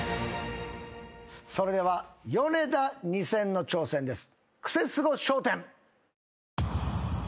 それではヨネダ２０００の挑戦です。